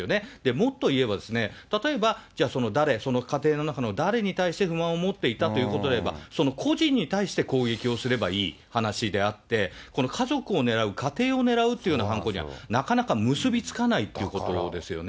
もっといえばですね、例えばじゃあ、その誰、その家庭の中の誰に対して不満を持っていたということでいえば、その個人に対して攻撃をすればいい話であって、この家族を狙う、家庭を狙うっていう犯行にはなかなか結び付かないっていうことですよね。